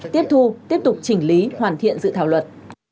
tiếp thu tiếp tục chỉnh lý hoàn thiện dự thảo luật